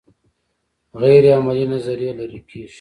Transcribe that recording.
غیر عملي نظریې لرې کیږي.